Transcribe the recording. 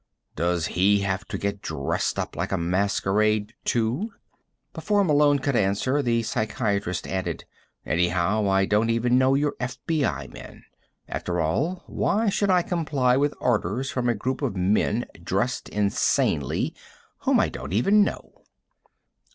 "Does he have to get dressed up like a masquerade, too?" Before Malone could answer, the psychiatrist added: "Anyhow, I don't even know you're FBI men. After all, why should I comply with orders from a group of men, dressed insanely, whom I don't even know?"